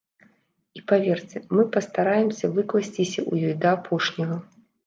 І, паверце, мы пастараемся выкласціся ў ёй да апошняга.